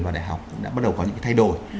và đại học cũng đã bắt đầu có những cái thay đổi